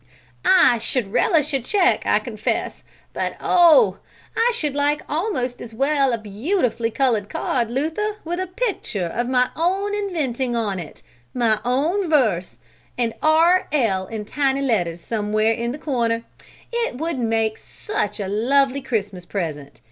"I should relish a check, I confess; but oh! I should like almost as well a beautifully colored card, Luther, with a picture of my own inventing on it, my own verse, and R. L. in tiny letters somewhere in the corner! It would make such a lovely Christmas present!